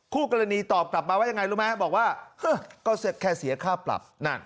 คู่กรณีตอบกลับมาว่ายังไงรู้ไหมบอกว่าก็แค่เสียค่าปรับ